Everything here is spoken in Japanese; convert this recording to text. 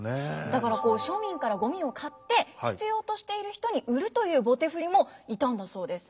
だから庶民からゴミを買って必要としている人に売るという棒手振もいたんだそうです。